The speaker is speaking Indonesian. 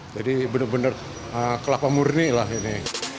jadi benar benar kelapa murni lah ini